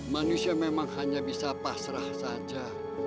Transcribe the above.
manusia memang hanya bisa pasrah saja